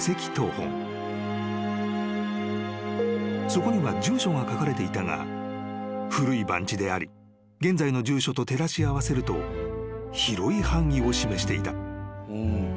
［そこには住所が書かれていたが古い番地であり現在の住所と照らし合わせると広い範囲を示していた］